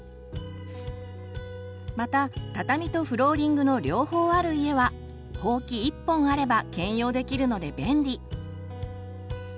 また畳とフローリングの両方ある家はほうき１本あれば兼用できるので便利。